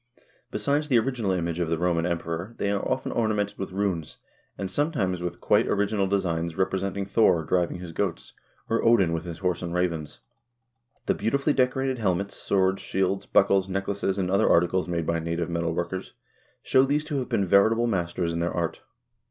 Besides the original image of the Roman Emperor they are often ornamented with runes, and sometimes with quite original designs representing Thor driving his goats, or Odin with his horse and ravens. The beautifully decorated helmets, swords, shields, buckles, necklaces, and other articles made by native metal workers show these to have been veritable masters in their art.